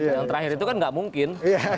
yang terakhir itu kan nggak mungkin